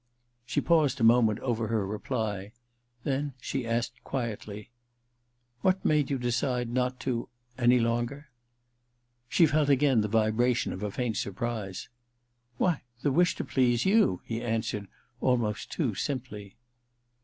She paused a moment over her reply ; then she asked quietly :* What made you decide not to — any longer ?' She felt again the vibration of a faint surprise, * Why — the wish to please you !' he answered, almost too simply.